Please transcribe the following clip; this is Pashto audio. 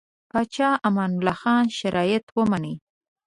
پاچا امان الله خان شرایط ومني.